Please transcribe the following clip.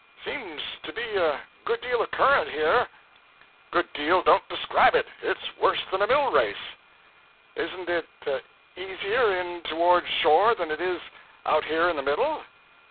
'Seems to be a good deal of current here.' 'Good deal don't describe it! It's worse than a mill race.' 'Isn't it easier in toward shore than it is out here in the middle?'